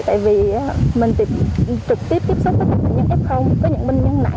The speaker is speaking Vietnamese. tại vì mình trực tiếp tiếp xúc với những f có những bệnh nhân nặng nữa